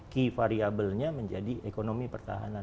key variabelnya menjadi ekonomi pertahanan